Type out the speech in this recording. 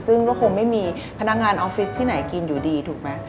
ซึ่งก็คงไม่มีพนักงานออฟฟิศที่ไหนกินอยู่ดีถูกไหม